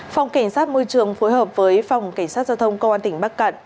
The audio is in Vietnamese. phòng cảnh sát môi trường phối hợp với phòng cảnh sát giao thông công an tỉnh bắc cạn